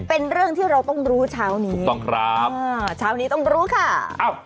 เป็นเรื่องที่เราต้องรู้ชาวนี้สั่งครับ